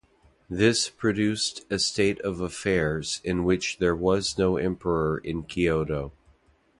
This produced a state of affairs in which there was no Emperor in Kyoto.